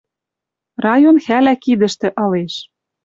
Район хӓлӓ кидӹштӹ ылеш.